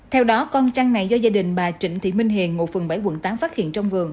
theo đó con chăn này do gia đình bà trịnh thị minh hiền ngụ phường bảy quận tám phát hiện trong vườn